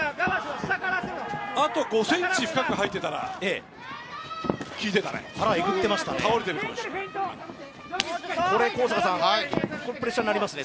あと５ｃｍ深く入ったら効いてたね。